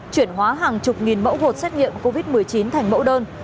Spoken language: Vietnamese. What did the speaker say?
chuyển hóa hàng chục nghìn mẫu xét nghiệm covid một mươi chín thành mẫu đơn